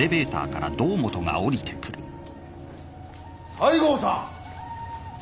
西郷さん！